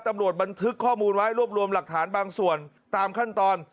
บันทึกข้อมูลไว้รวบรวมหลักฐานบางส่วนตามขั้นตอน